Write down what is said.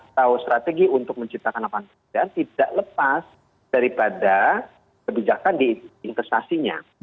atau strategi untuk menciptakan lapangan kerja tidak lepas daripada kebijakan di investasinya